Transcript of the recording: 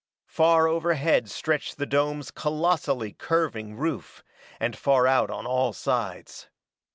Far overhead stretched the dome's colossally curving roof, and far out on all sides.